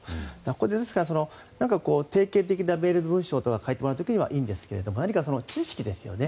ですから定型的なメールの文章とかを書いてもらう時にはいいですが何か知識ですよね。